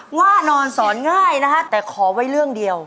ว่านอนสอนง่ายนะฮะแต่ขอไว้เรื่องเดียว